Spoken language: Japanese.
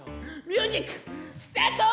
ミュージックスタート！